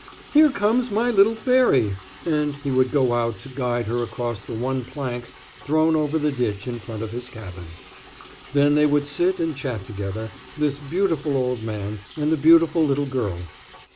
"Here comes my little fairy," and he would go out to guide her across the one plank thrown over the ditch in front of his cabin. Then they would sit and chat together, this beautiful old man and the beautiful little girl.